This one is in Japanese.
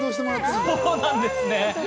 そうなんです。